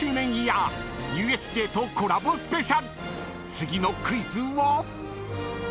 ［次のクイズは］